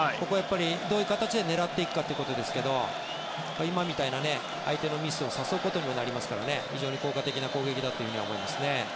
どういう形で狙っていくかですが今みたいな相手のミスを誘うことにもなりますから非常に効果的な攻撃だと思いますね。